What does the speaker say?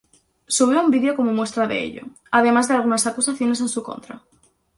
Subió un video como muestra de ello, además de algunas acusaciones en su contra.